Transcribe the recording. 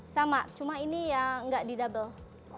sama cuma ini ya nggak di double